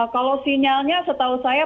kalau sinyalnya setahu saya